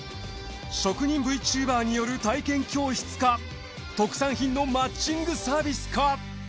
職人Ｖチューバーによる体験教室か特産品のマッチングサービスか？